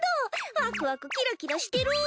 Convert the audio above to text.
ワクワクキラキラしてる！